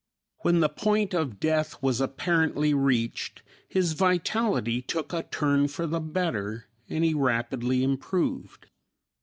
When the point of death was apparently reached his vitality took a turn for the better and he rapidly improved.